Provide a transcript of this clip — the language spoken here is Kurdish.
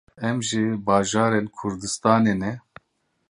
Em ji bajarên Kurdistanê ne.